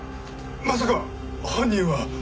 まさか犯人は！